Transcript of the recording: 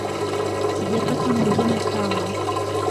Sijapata mwingine kamwe.